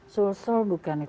sul sul bukan itu